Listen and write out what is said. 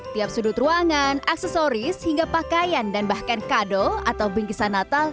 tiap sudut ruangan aksesoris hingga pakaian dan bahkan kado atau bingkisan natal